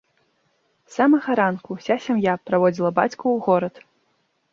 З самага ранку ўся сям'я праводзіла бацьку ў горад.